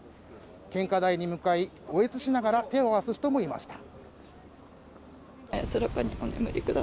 献花台に向かい嗚咽しながら手を合わす人もいました